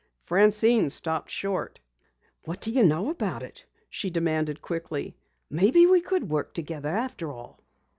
Francine stopped short. "What do you know about it?" she demanded quickly. "Maybe we could work together after all."